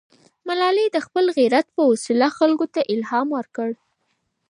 ملالۍ د خپل غیرت په وسیله خلکو ته الهام ورکړ.